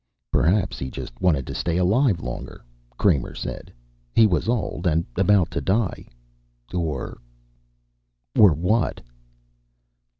"Perhaps he just wanted to stay alive longer," Kramer said. "He was old and about to die. Or " "Or what?"